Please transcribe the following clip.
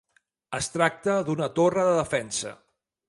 Es tracta d'una torre de defensa.